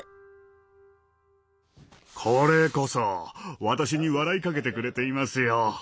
これこそ私に笑いかけてくれていますよ！